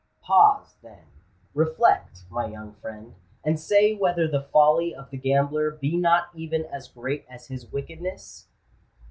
Pause, then—reflect, my young friend,—and say whether the folly of the gambler be not even as great as his wickedness?"